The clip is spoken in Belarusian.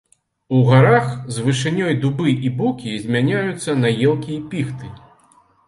У гарах з вышынёй дубы і букі змяняюцца на елкі і піхты.